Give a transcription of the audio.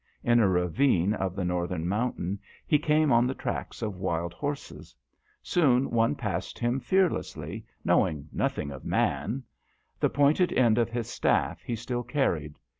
In a ravine of the northern mountain he came on the tracks of wild horses. Soon one passed him fearlessly, know ing nothing of man. The pointed end of his staff he still carried.